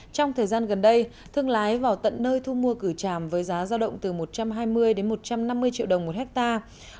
trong thời gian gần đây thương lái vào tận nơi thu mua cửa tràm với giá giao động từ một trăm hai mươi đến một trăm năm mươi triệu đồng một hectare